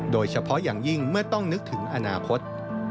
โดยเฉพาะอย่างยิ่งเมื่อต้องนึกถึงอนาคต